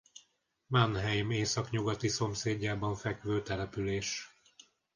Mannheim északnyugati szomszédjában fekvő település.